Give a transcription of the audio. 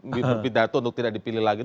berpidato untuk tidak dipilih lagi